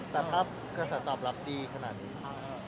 แต่ถ้ากระแสตอบรับดีขนาดนี้